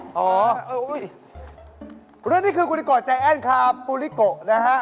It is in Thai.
ขนาดนี้คือคุณิโกะใจแอนค้าคุณิโกะนะฮะ